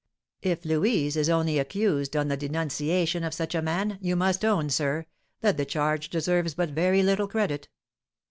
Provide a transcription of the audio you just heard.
If Louise is only accused on the denunciation of such a man, you must own, sir, that the charge deserves but very little credit."